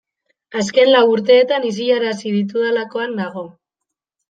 Azken lau urteetan isilarazi ditudalakoan nago.